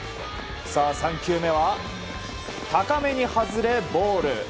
３球目は高めに外れボール。